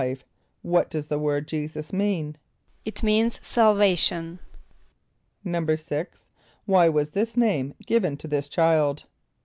= What does the word J[=e]´[s+]us mean? =It means "salvation."= =6.= Why was this name given to this child?